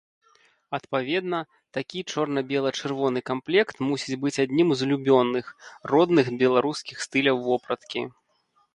Адпаведна, такі чорна-бела-чырвоны камплект мусіць быць адным з улюбёных, родных беларускіх стыляў вопраткі.